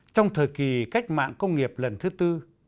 trong thời kỳ cách mạng công nghiệp lần thứ tư